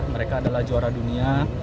mereka adalah juara dunia